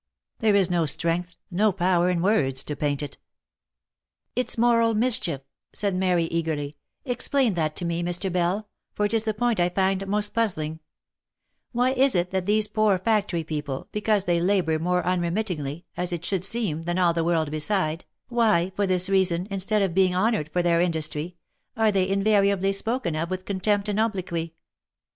There is no strength, no power in words to paint it." " Its moral mischief," said Mary, eagerly ;" explain that to me, Mr. Bell, for it is the point I find most puzzling — why is it that these poor factory people, because they labour more unremittingly, as it should seem, than all the world beside, why, for this reason, instead of being honoured for their industry, are they invariably spoken of with con tempt and obliquy